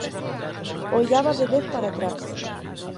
Ollaba de vez para atrás.